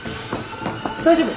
大丈夫？